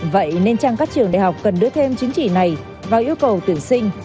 vậy nên chăng các trường đại học cần đưa thêm chứng chỉ này vào yêu cầu tuyển sinh